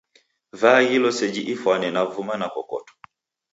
Vaaghilo seji ifwane na vuma na kokoto